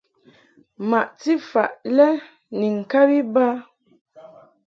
Maʼti faʼ lɛ ni ŋkab iba.